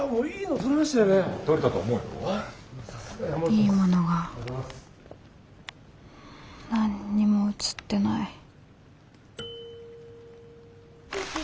いいものが何にも写ってない。